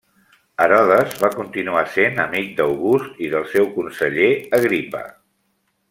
Herodes va continuar sent amic d'August i del seu conseller Agripa.